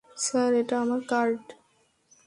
Sir এটা আমার card.